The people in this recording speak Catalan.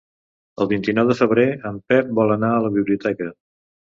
El vint-i-nou de febrer en Pep vol anar a la biblioteca.